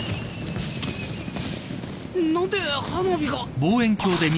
何で花火が。